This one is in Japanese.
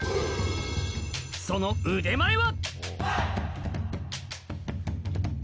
その腕前は？